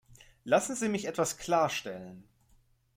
Lassen Sie mich etwas klarstellen.